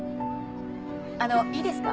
あのいいですか？